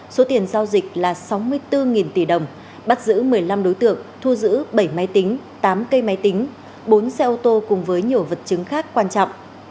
số tiền giao dịch là sáu mươi bốn tỷ đồng bắt giữ một mươi năm đối tượng thu giữ bảy máy tính tám cây máy tính bốn xe ô tô cùng với nhiều vật chứng khác quan trọng